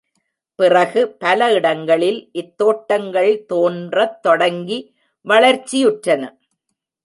பிறகு பல இடங்களில் இத் தோட்டங்கள் தோன்றத் தொடங்கி வளர்ச்சியுற்றன.